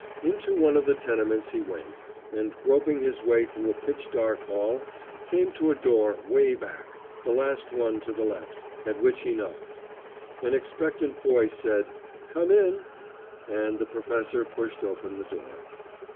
Into one of the tenements he went, and, groping his way through a pitch dark hall, came to a door 'way back, the last one to the left, at which he knocked. An expectant voice said, "Come in," and the professor pushed open the door.